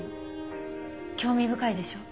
興味深いでしょ。